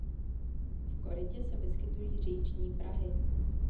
V korytě se vyskytují říční prahy.